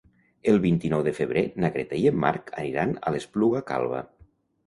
El vint-i-nou de febrer na Greta i en Marc aniran a l'Espluga Calba.